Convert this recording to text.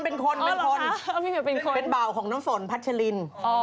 เป็นคนเป็นคนเป็นบ่าวของน้ำฝนพัชลิน